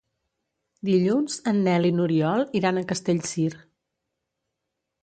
Dilluns en Nel i n'Oriol iran a Castellcir.